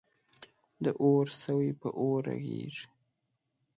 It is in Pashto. د اور سوی په اور رغیږی.